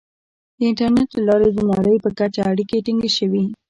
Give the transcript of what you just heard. • د انټرنیټ له لارې د نړۍ په کچه اړیکې ټینګې شوې.